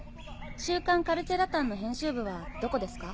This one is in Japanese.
週刊カルチェラタンの編集部はどこですか？